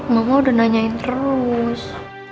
mama udah nanyain terus